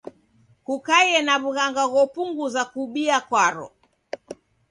Kukaie na w'ughanga ghopunguza kubia kwaro.